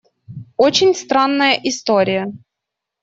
Очень странная история.